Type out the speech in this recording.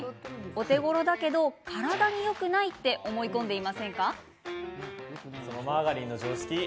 お手ごろだけど体によくないって思い込んでいませんか？